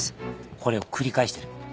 これを繰り返してる。